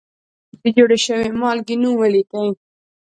د جوړې شوې مالګې نوم ولیکئ.